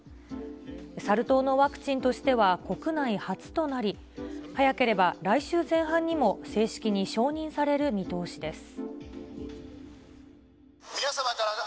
サル痘のワクチンとしては国内初となり、早ければ来週前半にも、正式に承認される見通しです。